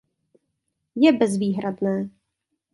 Je bezvýhradné.